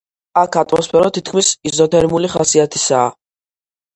აქ ატმოსფერო თითქმის იზოთერმული ხასიათისაა.